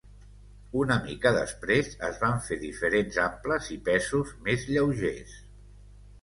Una mica després es van fer diferents amples i pesos més lleugers.